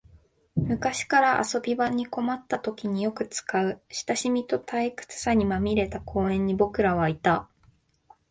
昔から遊び場に困ったときによく使う、親しみと退屈さにまみれた公園に僕らはいた